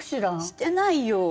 してないよ。